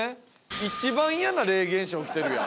一番嫌な霊現象起きてるやん